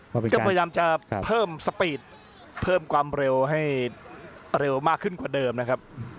ก็พยายามจะเพิ่มสปีดเพิ่มความเร็วให้เร็วมากขึ้นกว่าเดิมนะครับ